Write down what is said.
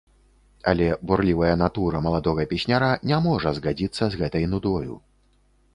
Але бурлівая натура маладога песняра не можа згадзіцца з гэтай нудою.